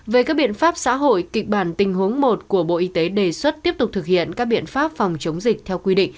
về các biện pháp xã hội kịch bản tình huống một của bộ y tế đề xuất tiếp tục thực hiện các biện pháp phòng chống dịch